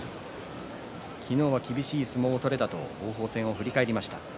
昨日は厳しい相撲が取れたと王鵬戦を振り返りました。